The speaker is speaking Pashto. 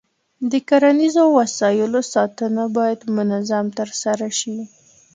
د کرنیزو وسایلو ساتنه باید منظم ترسره شي.